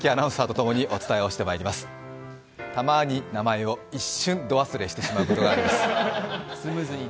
たまに名前を一瞬ド忘れしてしまうことがあります。